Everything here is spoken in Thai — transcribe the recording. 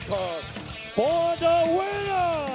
สุดท้าย